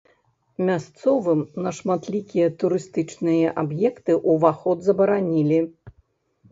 Мясцовым на шматлікія турыстычныя аб'екты ўваход забаранілі.